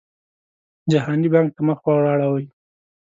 جهاني بانک ته مخ ورواړوي.